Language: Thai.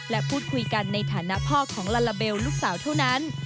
และพูดคุยกันในฐานะพ่อของลาลาเบลลูกสาวเท่านั้น